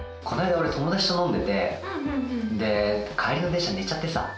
俺友達と飲んでてで帰りの電車寝ちゃってさ。